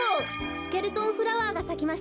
スケルトンフラワーがさきましたね。